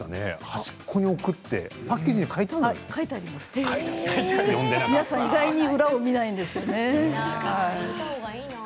端っこに置くってパッケージに書いてあるの？